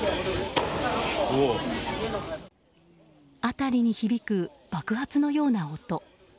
辺りに響く爆発のような音。